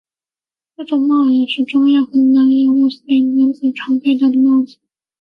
这种帽也是中亚和南亚穆斯林男子常佩戴的帽子。